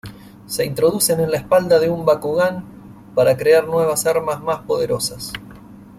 Se introducen en la espalda de un Bakugan para crear nuevas armas más poderosas.